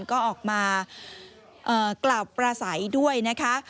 ก็ออกมากล่าวประสัยด้วยนะคะ